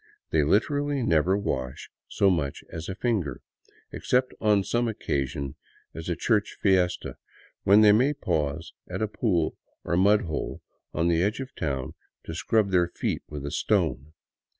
They literally \ never wash so much as a finger, except on some such occasion as a t church fiesta, when they may pause at a pool or mud hole on the edge of town to scrub their feet with a stone.